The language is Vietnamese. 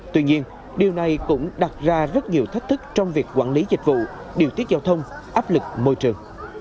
tuy nhiên điều này cũng đặt ra rất nhiều thách thức trong việc quản lý dịch vụ điều tiết giao thông áp lực môi trường